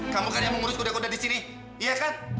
kamu kan yang mengurus kuda kuda di sini iya kan